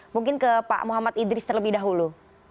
mungkin ke pak muhammad idris terlebih dahulu